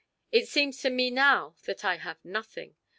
It seems to me now that I have had nothing.